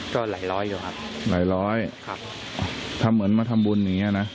ก็หลายร้อยอยู่ครับหลายร้อยครับทำเหมือนมาทำบุญอย่างเงี้นะ